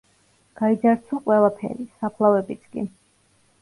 გაიძარცვა ყველაფერი, საფლავებიც კი.